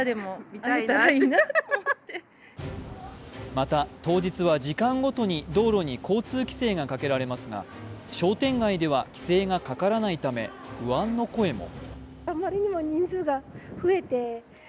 また、当日は時間ごとに道路に交通規制がかけられますが、商店街では規制がかからないため、不安の声も。